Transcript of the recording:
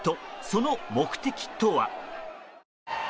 その目的とは。